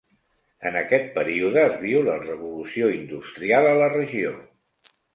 En aquest període es viu la revolució industrial a la regió.